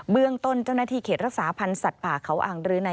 เรื่องต้นเจ้าหน้าที่เขตรักษาพันธ์สัตว์ป่าเขาอ่างรือใน